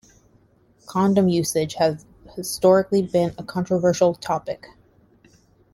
Condom usage has historically been a controversial topic.